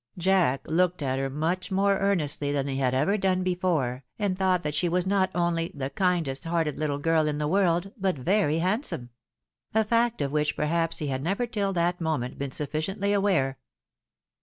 Jack looked at her much more earnestly than he had ever done before, and thought that she was not only the kindest hearted Httle girl in the world, but very handsome ; a fact of which, perhaps, he had never tiU that moment been sufficiently aware.